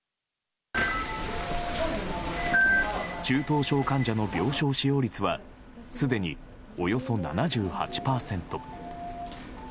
中等症患者の病床使用率はすでに、およそ７８％。